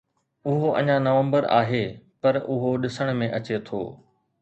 اهو اڃا نومبر آهي، پر اهو ڏسڻ ۾ اچي ٿو